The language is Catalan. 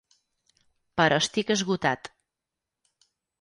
Però estic esgotat.